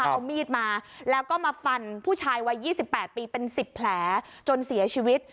เอามีดมาแล้วก็มาฟันผู้ชายวัย๒๘ปีเป็น๑๐แผลจนเสียชีวิต